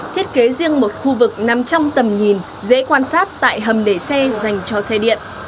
thiết kế riêng một khu vực nằm trong tầm nhìn dễ quan sát tại hầm để xe dành cho xe điện